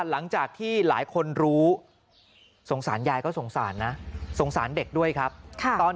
หลังจากที่หลายคนรู้สงสารยายก็สงสารนะสงสารเด็กด้วยครับตอน